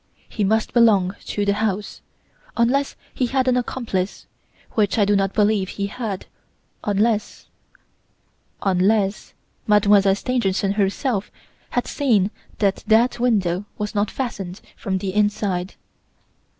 He must belong to the house, unless he had an accomplice, which I do not believe he had; unless unless Mademoiselle Stangerson herself had seen that that window was not fastened from the inside.